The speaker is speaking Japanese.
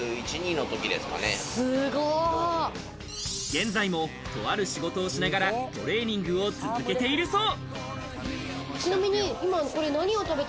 現在も、とある仕事をしながらトレーニングを続けているそう。